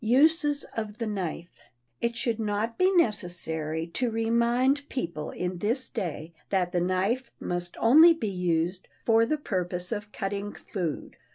[Sidenote: USES OF THE KNIFE] It should not be necessary to remind people in this day that the knife must only be used for the purpose of cutting food.